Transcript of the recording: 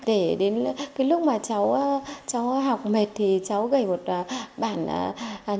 để đến lúc mà cháu học mệt thì cháu gây một bản học